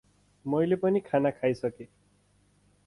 मैले पनि खाना खाइसके ।